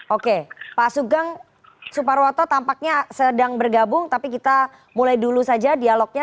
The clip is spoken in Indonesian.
oke pak sugeng suparwoto tampaknya sedang bergabung tapi kita mulai dulu saja dialognya